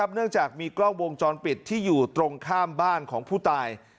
เนื่องจากมีกล้องวงจรปิดที่อยู่ตรงข้ามบ้านของผู้ตาย